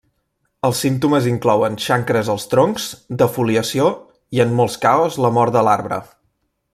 Els símptomes inclouen xancres als troncs, defoliació i en molts caos la mort de l'arbre.